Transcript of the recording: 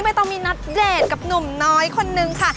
ต้องมีนัดเดทกับหนุ่มน้อยคนนึงค่ะ